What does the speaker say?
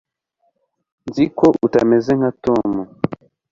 nzi ko utameze nka tom